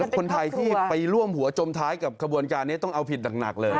คนไทยที่ไปร่วมหัวจมท้ายกับขบวนการนี้ต้องเอาผิดหนักเลย